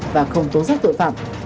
và không tố giác tội phạm